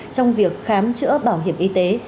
trong việc khám chữa bảo hiểm y tế